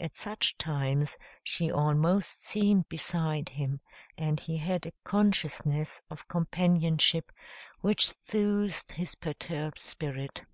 At such times, she almost seemed beside him, and he had a consciousness of companionship which soothed his perturbed spirit.